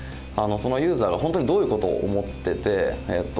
そのユーザが本当にどういうことを思っててえっと